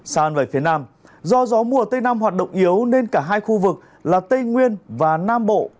xa về phía nam do gió mùa tây nam hoạt động yếu nên cả hai khu vực là tây nguyên và nam bộ